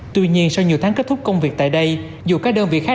tuy nhiên sau nhiều tháng kết thúc công việc tại đây dù các đơn vị khác